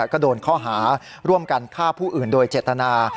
ก็โดนข้อหาร่วมกันฆ่าผู้อื่นโดยเจตนา